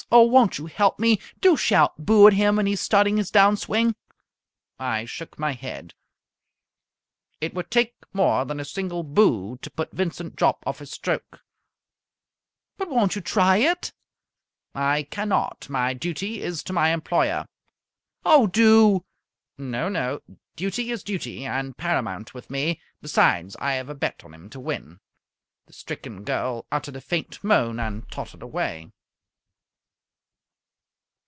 Oh, won't you help me? Do shout 'Boo!' at him when he is starting his down swing!" I shook my head. "It would take more than a single 'boo' to put Vincent Jopp off his stroke." "But won't you try it?" "I cannot. My duty is to my employer." "Oh, do!" "No, no. Duty is duty, and paramount with me. Besides, I have a bet on him to win." The stricken girl uttered a faint moan, and tottered away.